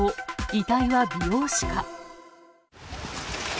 遺体は美容師か。